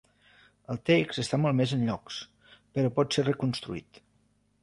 El text està malmès en llocs però pot ser reconstruït.